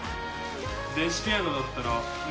電子ピアノだったらね